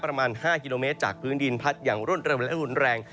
ประมาณ๕กิโลเมตรจากพื้นดินพัดอย่างรวดเร็วและรุนแรง